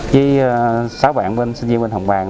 với sáu bạn sinh viên bên hồng bàng